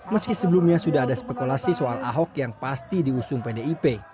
meski sebelumnya sudah ada spekulasi soal ahok yang pasti diusung pdip